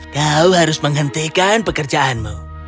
kau harus menghentikan pekerjaanmu